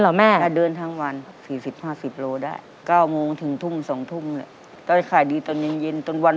เท่าความยิ่งอย่างมุขแห่งน้อย